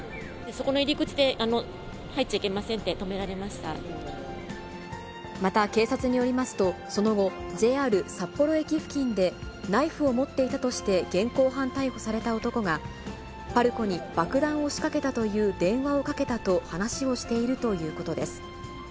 そこの入り口で、入っちゃいまた警察によりますと、その後、ＪＲ札幌駅付近でナイフを持っていたとして現行犯逮捕された男が、パルコに爆弾を仕掛けたという電話をかけたと話をしているということです。